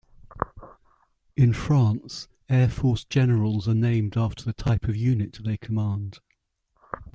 In France, Air Force generals are named after the type of unit they command.